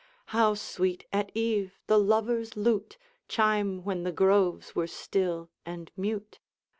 How sweet at eve the lover's lute Chime when the groves were still and mute!